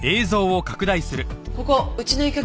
ここうちの医局。